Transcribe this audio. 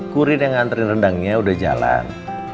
kurir yang ngantri rendangnya udah jalan